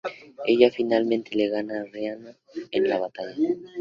Ella finalmente le gana Rina en la batalla.